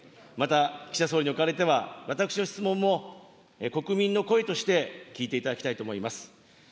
また、岸田総理におかれては、私の質問も国民の声として聞いていただきたいと思います。